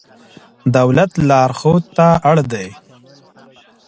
دولت لارښود ته اړ دی.